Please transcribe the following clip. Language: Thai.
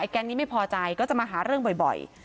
แก๊งนี้ไม่พอใจก็จะมาหาเรื่องบ่อย